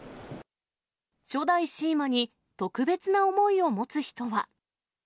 初代シーマに特別な思いを持つ人は。